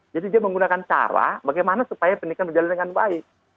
jadi dia menggunakan cara bagaimana supaya pendidikan berjalan dengan baik